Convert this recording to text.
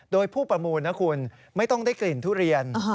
โดยผู้ประมูลนะคุณไม่ต้องได้กลิ่นทุเรียน